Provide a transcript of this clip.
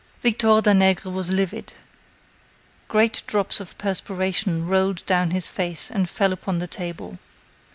Victor Danègre was livid; great drops of perspiration rolled down his face and fell upon the table.